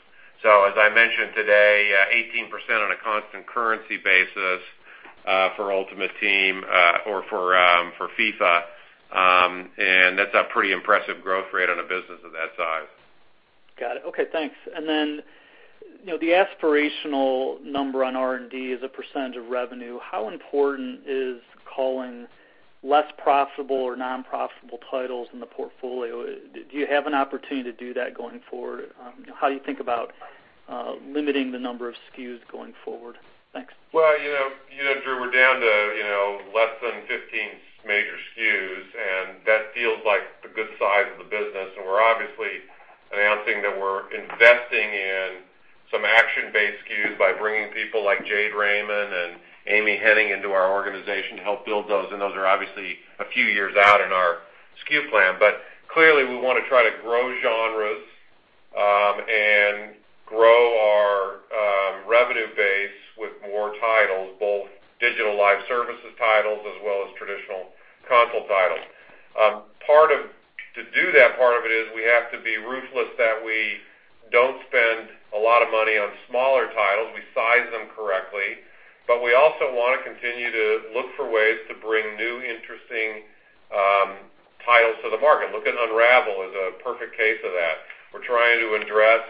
As I mentioned today, 18% on a constant currency basis for Ultimate Team or for FIFA. That's a pretty impressive growth rate on a business of that size. Got it. Okay, thanks. The aspirational number on R&D as a percentage of revenue, how important is culling less profitable or non-profitable titles in the portfolio? Do you have an opportunity to do that going forward? How do you think about limiting the number of SKUs going forward? Thanks. Well, Drew, we're down to less than 15 major SKUs, that feels like a good size of the business, we're obviously announcing that we're investing in some action-based SKUs by bringing people like Jade Raymond and Amy Hennig into our organization to help build those are obviously a few years out in our SKU plan. Clearly we want to try to grow genres and grow our revenue base with more titles, both digital live services titles as well as traditional console titles. To do that part of it is we have to be ruthless that we don't spend a lot of money on smaller titles. We size them correctly. We also want to continue to look for ways to bring new, interesting titles to the market. Look at Unravel as a perfect case of that. We're trying to address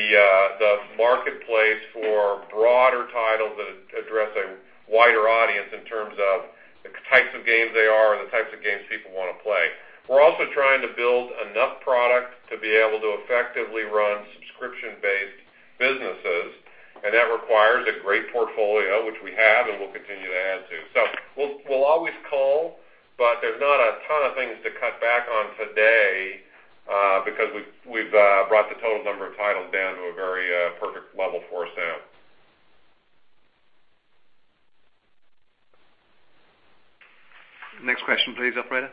the marketplace for broader titles that address a wider audience in terms of the types of games they are and the types of games people want to play. We're also trying to build enough product to be able to effectively run subscription-based businesses, that requires a great portfolio, which we have and will continue to add to. We'll always cull, there's not a ton of things to cut back on today because we've brought the total number of titles down to a very perfect level for us now. Next question please, operator.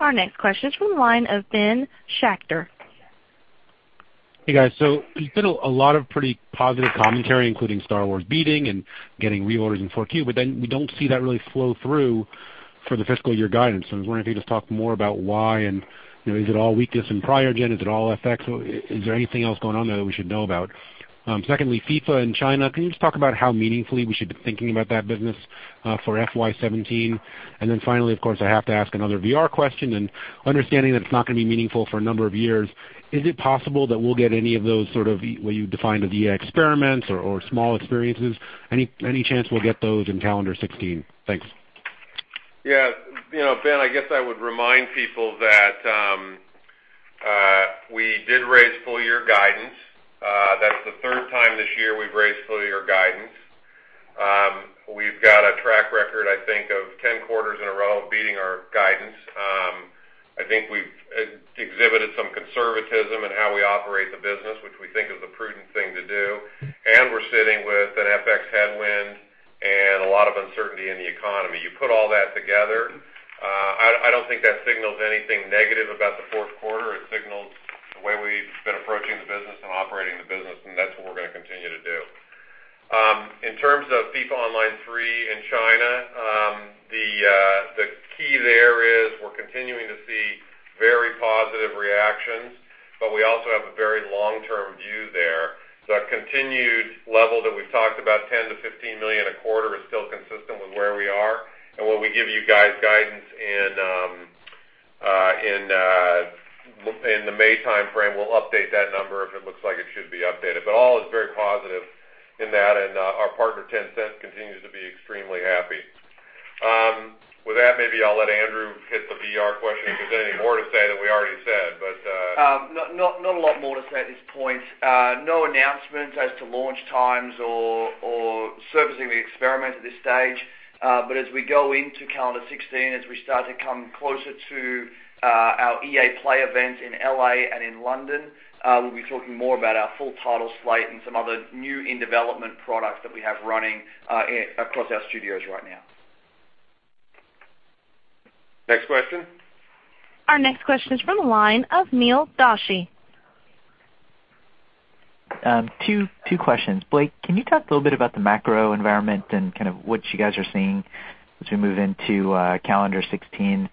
Our next question is from the line of Ben Schachter. Hey, guys. There's been a lot of pretty positive commentary, including Star Wars beating and getting reorders in 4Q. We don't see that really flow through for the fiscal year guidance. I was wondering if you could just talk more about why. Is it all weakness in prior gen? Is it all FX? Is there anything else going on there that we should know about? Secondly, FIFA in China, can you just talk about how meaningfully we should be thinking about that business for FY 2017? Finally, of course, I have to ask another VR question. Understanding that it's not going to be meaningful for a number of years, is it possible that we'll get any of those sort of what you defined as EA experiments or small experiences? Any chance we'll get those in calendar 2016? Thanks. Yeah. Ben, I guess I would remind people that we did raise full-year guidance. That's the third time this year we've raised full-year guidance. We've got a track record, I think, of 10 quarters in a row of beating our guidance. I think we've exhibited some conservatism in how we operate the business, which we think is the prudent thing to do. We're sitting with an FX headwind and a lot of uncertainty in the economy. You put all that together, I don't think that signals anything negative about the fourth quarter. It signals the way we've been approaching the business and operating the business, and that's what we're going to continue to do. In terms of FIFA Online 3 in China, the key there is we're continuing to see very positive reactions. We also have a very long-term view there. That continued level that we've talked about, $10 million-$15 million a quarter, is still consistent with where we are. When we give you guys guidance in the May timeframe, we'll update that number if it looks like it should be updated. All is very positive in that, and our partner, Tencent, continues to be extremely happy. With that, maybe I'll let Andrew hit the VR question if there's anything more to say than we already said. Not a lot more to say at this point. No announcements as to launch times or surfacing the experiment at this stage. As we go into calendar 2016, as we start to come closer to our EA Play events in L.A. and in London, we'll be talking more about our full title slate and some other new in-development products that we have running across our studios right now. Next question. Our next question is from the line of Neil Doshi. Two questions. Blake, can you talk a little bit about the macro environment and kind of what you guys are seeing as we move into calendar 2016?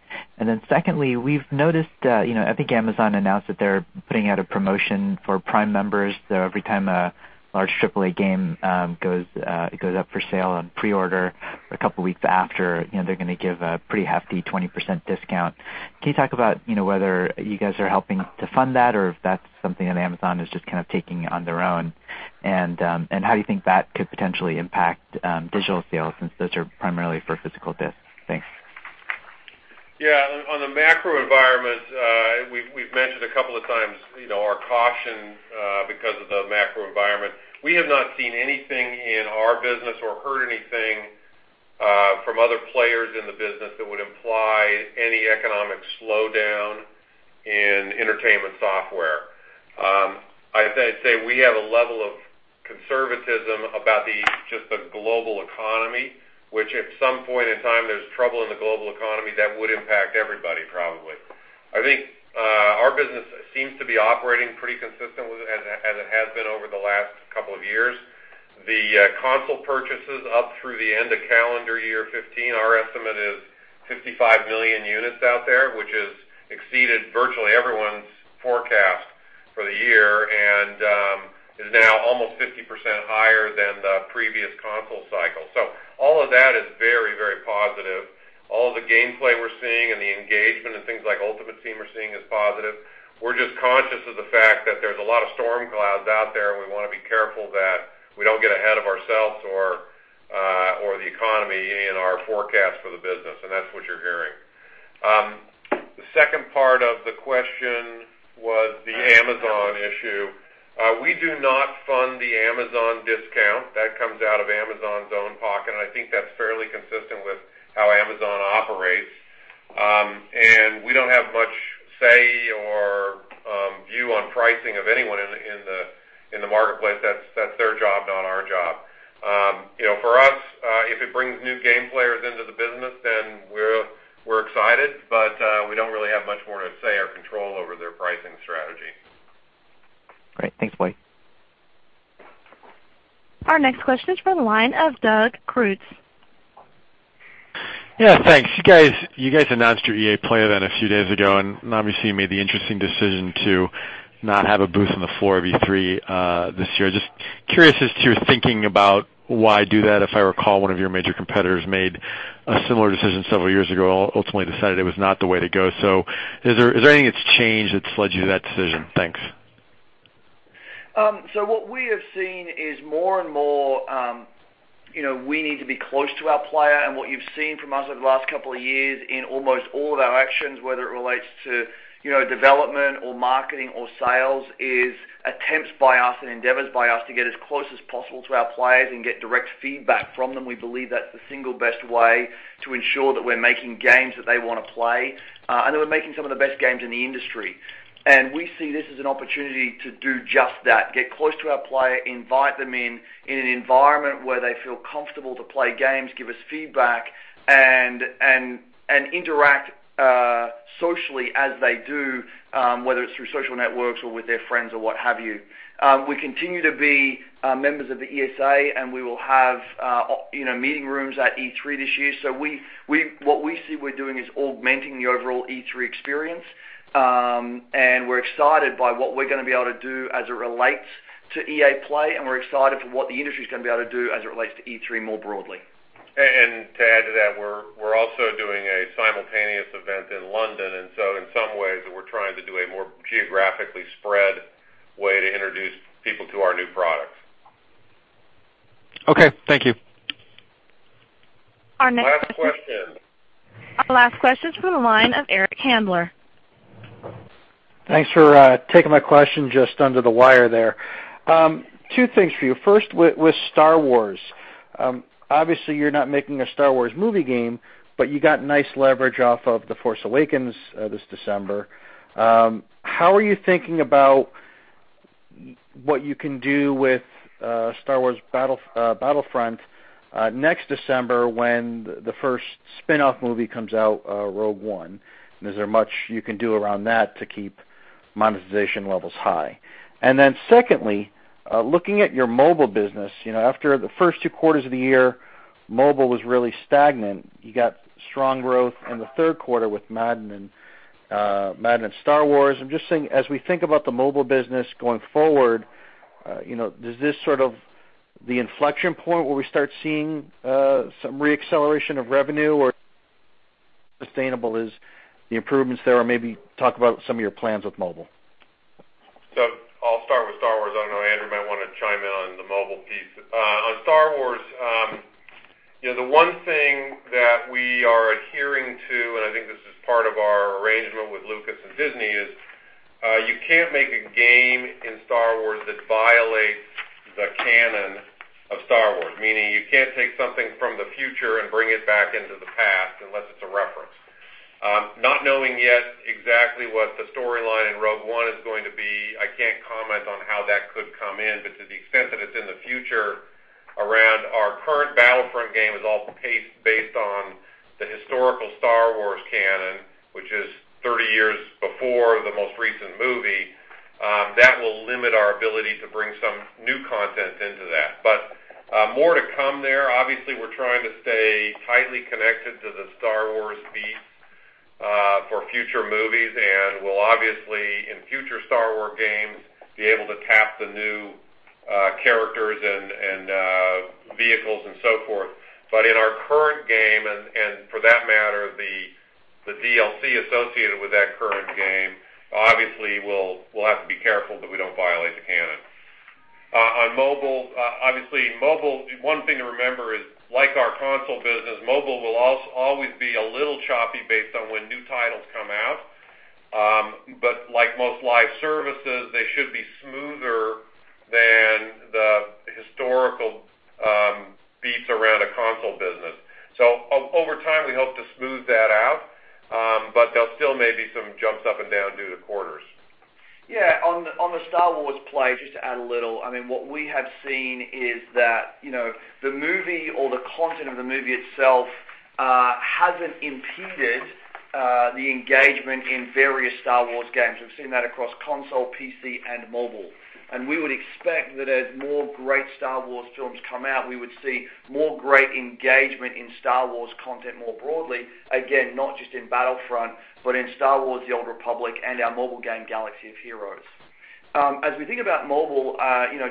Secondly, we've noticed, I think Amazon announced that they're putting out a promotion for Prime members that every time a large AAA game goes up for sale on pre-order a couple weeks after, they're going to give a pretty hefty 20% discount. Can you talk about whether you guys are helping to fund that or if that's something that Amazon is just kind of taking on their own? How do you think that could potentially impact digital sales since those are primarily for physical disc? Thanks. Yeah. On the macro environment, we've mentioned a couple of times our caution because of the macro environment. We have not seen anything in our business or heard anything from other players in the business that would imply any economic slowdown in entertainment software. I'd say we have a level of conservatism about just the global economy, which at some point in time, there's trouble in the global economy that would impact everybody, probably. I think our business seems to be operating pretty consistent with as it has been over the last couple of years. The console purchases up through the end of calendar year 2015, our estimate is 55 million units out there, which has exceeded virtually everyone's forecast for the year and is now almost 50% higher than the previous console cycle. All of that is very positive. All the gameplay we're seeing and the engagement and things like Ultimate Team we're seeing is positive. We're just conscious of the fact that there's a lot of storm clouds out there and we want to be careful that we don't get ahead of ourselves or the economy in our forecast for the business, and that's what you're hearing. The second part of the question was the Amazon issue. We do not fund the Amazon discount. That comes out of Amazon's own pocket, and I think that's fairly consistent with how Amazon operates. We don't have much say or view on pricing of anyone in the marketplace. That's their job, not our job. For us, if it brings new game players into the business, then we're excited, but we don't really have much more to say or control over their pricing strategy. Great. Thanks, Blake. Our next question is from the line of Doug Creutz. Thanks. You guys announced your EA Play event a few days ago. Obviously, you made the interesting decision to not have a booth on the floor of E3 this year. Just curious as to your thinking about why do that. If I recall, one of your major competitors made a similar decision several years ago, ultimately decided it was not the way to go. Is there anything that's changed that's led you to that decision? Thanks. What we have seen is more and more we need to be close to our player. What you've seen from us over the last couple of years in almost all of our actions, whether it relates to development or marketing or sales, is attempts by us and endeavors by us to get as close as possible to our players and get direct feedback from them. We believe that's the single best way to ensure that we're making games that they want to play and that we're making some of the best games in the industry. We see this as an opportunity to do just that, get close to our player, invite them in in an environment where they feel comfortable to play games, give us feedback, and interact socially as they do, whether it's through social networks or with their friends or what have you. We continue to be members of the ESA. We will have meeting rooms at E3 this year. What we see we're doing is augmenting the overall E3 experience. We're excited by what we're going to be able to do as it relates to EA Play, and we're excited for what the industry's going to be able to do as it relates to E3 more broadly. To add to that, we're also doing a simultaneous event in London. In some ways we're trying to do a more geographically spread way to introduce people to our new products. Okay, thank you. Our next- Last question. Our last question's from the line of Eric Handler. Thanks for taking my question just under the wire there. Two things for you. First, with "Star Wars," obviously you're not making a "Star Wars" movie game, but you got nice leverage off of "Star Wars: The Force Awakens" this December. How are you thinking about what you can do with "Star Wars Battlefront" next December when the first spinoff movie comes out, "Rogue One"? Is there much you can do around that to keep monetization levels high? Secondly, looking at your mobile business, after the first two quarters of the year, mobile was really stagnant. You got strong growth in the third quarter with "Madden" and "Star Wars." I'm just saying, as we think about the mobile business going forward, is this sort of the inflection point where we start seeing some re-acceleration of revenue or sustainable is the improvements there, or maybe talk about some of your plans with mobile. I'll start with "Star Wars." I don't know, Andrew might want to chime in on the mobile piece. On "Star Wars," the one thing that we are adhering to, and I think this is part of our arrangement with Lucasfilm and Disney, is you can't make a game in "Star Wars" that violates the canon of "Star Wars," meaning you can't take something from the future and bring it back into the past unless it's a reference. Not knowing yet exactly what the storyline in "Rogue One" is going to be, I can't comment on how that could come in, but to the extent that it's in the future around our current "Battlefront" game is all based on the historical "Star Wars" canon, which is 30 years before the most recent movie. That will limit our ability to bring some new content into that. More to come there. Obviously, we're trying to stay tightly connected to the "Star Wars" beats for future movies, and we'll obviously, in future "Star Wars" games, be able to tap the new characters and vehicles and so forth. In our current game and for that matter, the DLC associated with that current game, obviously we'll have to be careful that we don't violate the canon. On mobile, obviously mobile, one thing to remember is like our console business, mobile will always be a little choppy based on when new titles come out. Like most live services, they should be smoother than the historical beats around a console business. Over time, we hope to smooth that out. There'll still may be some jumps up and down due to quarters. Yeah. On the Star Wars play, just to add a little, what we have seen is that the movie or the content of the movie itself, hasn't impeded the engagement in various Star Wars games. We've seen that across console, PC, and mobile. We would expect that as more great Star Wars films come out, we would see more great engagement in Star Wars content more broadly, again, not just in Battlefront, but in Star Wars: The Old Republic and our mobile game, Galaxy of Heroes. As we think about mobile,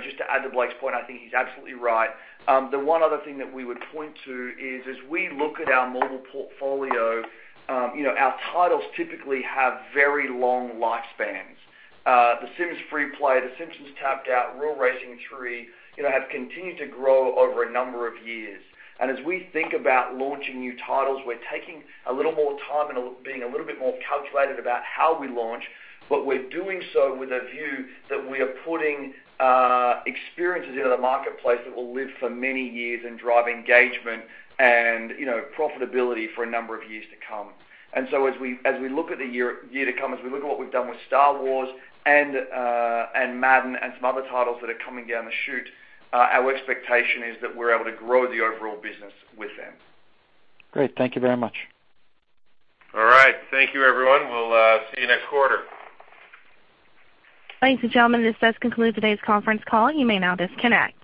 just to add to Blake's point, I think he's absolutely right. The one other thing that we would point to is as we look at our mobile portfolio, our titles typically have very long lifespans. The Sims FreePlay, The Simpsons: Tapped Out, Real Racing 3, have continued to grow over a number of years. As we think about launching new titles, we're taking a little more time and being a little bit more calculated about how we launch, but we're doing so with a view that we are putting experiences into the marketplace that will live for many years and drive engagement and profitability for a number of years to come. As we look at the year to come, as we look at what we've done with Star Wars and Madden and some other titles that are coming down the chute, our expectation is that we're able to grow the overall business with them. Great. Thank you very much. All right. Thank you everyone. We'll see you next quarter. Ladies and gentlemen, this does conclude today's conference call. You may now disconnect.